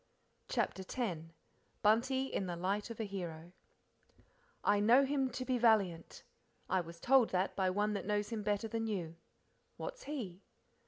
CHAPTER X Bunty in the Light of a Hero "'I know him to be valiant.' 'I was told that by one that knows him better than you.' 'What's he?'